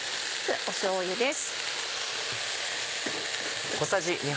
しょうゆです。